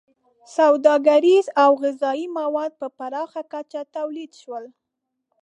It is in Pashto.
• سوداګریز او غذایي مواد په پراخه کچه تولید شول.